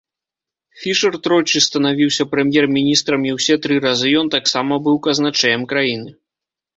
Фішэр тройчы станавіўся прэм'ер-міністрам і ўсе тры разы ён таксама быў казначэем краіны.